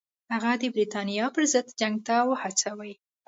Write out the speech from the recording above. هغه د برټانیې پر ضد جنګ ته وهڅوي.